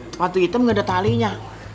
sepatu hitam nggak ada talinya